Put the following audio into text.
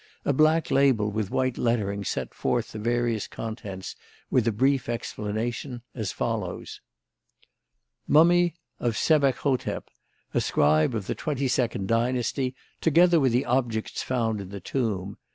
A black label with white lettering set forth the various contents with a brief explanation as follows: "Mummy of Sebek hotep, a scribe of the twenty second dynasty, together with the objects found in the tomb.